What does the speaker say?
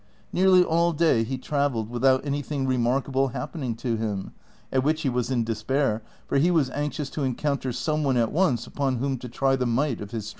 Nearly all day he travelled without anything remarkable happening to him, at which he was in despair, for he was anxious to en counter some one at once upon whom to try the might of his strong arm.